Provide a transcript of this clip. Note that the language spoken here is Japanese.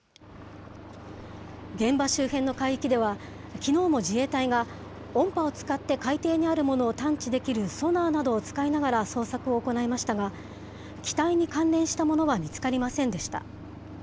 現場周辺の海域では、きのうも自衛隊が、音波を使って海底にあるものを探知できるソナーなどを使いながら捜索を行いましたが、機体に関連したものは見つかりませんでした。